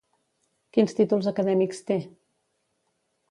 Quins títols acadèmics té?